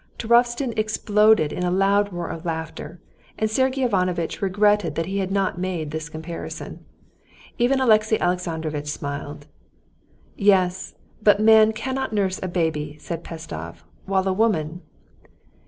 Turovtsin exploded in a loud roar of laughter and Sergey Ivanovitch regretted that he had not made this comparison. Even Alexey Alexandrovitch smiled. "Yes, but a man can't nurse a baby," said Pestsov, "while a woman...."